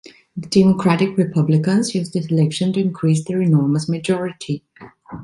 The Democratic-Republicans used this election to increase their enormous majority.